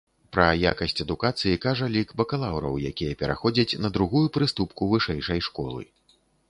Пра якасць адукацыі кажа лік бакалаўраў, якія пераходзяць на другую прыступку вышэйшай школы.